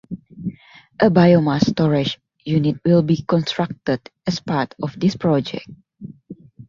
A biomass storage unit will be constructed as part of this project.